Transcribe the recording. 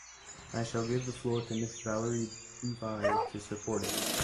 I shall give the floor to Mrs. Valérie Beauvais to support it.